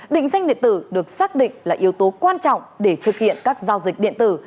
định danh điện tử được xác định là yếu tố quan trọng để thực hiện các giao dịch điện tử